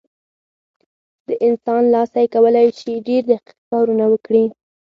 د انسان لاس کولی شي ډېر دقیق کارونه وکړي.